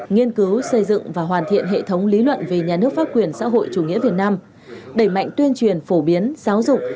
nghiên cứu xây dựng và hoàn thiện hệ thống lý luận về nhà nước pháp quyền xã hội chủ nghĩa việt nam đẩy mạnh tuyên truyền phổ biến giáo dục